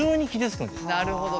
なるほど。